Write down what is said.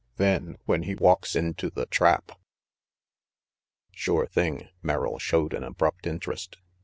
Then when he walks into the trap "Sure thing," Merrill showed an abrupt interest.